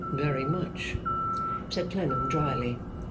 Very much,' said Clennam, drily.